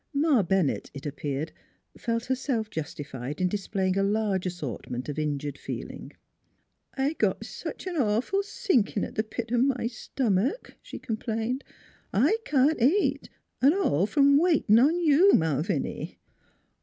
Ma Bennett, it appeared, felt herself justified in displaying a large assortment of injured feelings. " I got sech a nawful sinkin' at th' pit o' my stumick," she complained, " I can't eat V all from waitin' on you, Malviny."